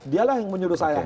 dialah yang menyuruh saya